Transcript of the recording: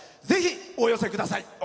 ぜひ、お寄せください。